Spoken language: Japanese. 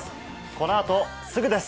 この後すぐです。